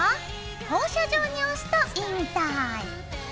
放射状におすといいみたい。